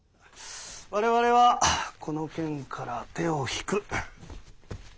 我々はこの件から手を引く。